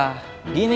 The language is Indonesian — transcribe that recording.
cuma rasanya kan gue